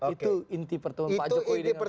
itu inti pertemuan pak jokowi dengan pak prabowo